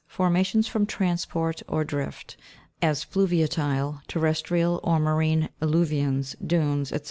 Formations from transport or drift ; as fluviatile, terrestrial, or marine alluvions, dunes, &c.